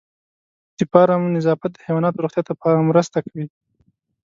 د فارم نظافت د حیواناتو روغتیا ته مرسته کوي.